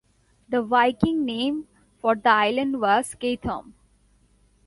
The Viking name for the island was "Keitholm".